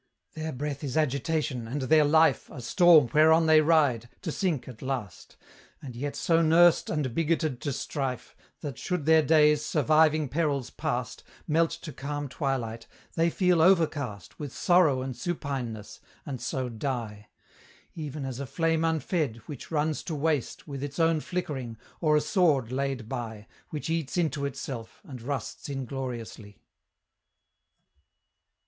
Their breath is agitation, and their life A storm whereon they ride, to sink at last, And yet so nursed and bigoted to strife, That should their days, surviving perils past, Melt to calm twilight, they feel overcast With sorrow and supineness, and so die; Even as a flame unfed, which runs to waste With its own flickering, or a sword laid by, Which eats into itself, and rusts ingloriously.